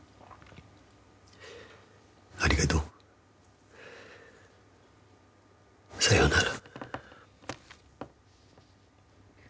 ありがとう。さようなら。